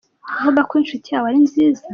Kuvuga ko inshuti yawe ari nziza.